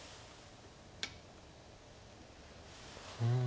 うん。